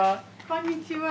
こんにちは。